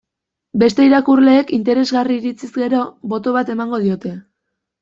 Beste irakurleek interesgarri iritziz gero, boto bat emango diote.